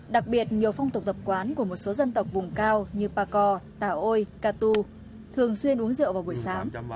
đặc biệt nhiều phong tục tập quán của một số dân tộc vùng cao như pa co tà ôi ca tu thường xuyên uống rượu vào buổi sáng